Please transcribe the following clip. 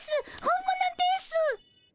本物です。